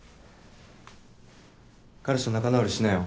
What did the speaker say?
彼氏と仲直りしなよ。